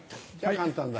簡単だ。